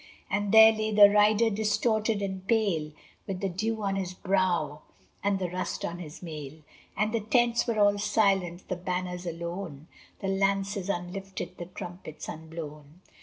And there lay the rider distorted and pale, With the dew on his brow and the rust on his mail; And the tents were all silent, the banners alone, The lances unlifted, the trumpets unblown.